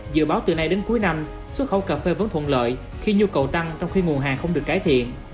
dự báo từ nay đến cuối năm xuất khẩu cà phê vẫn thuận lợi khi nhu cầu tăng trong khi nguồn hàng không được cải thiện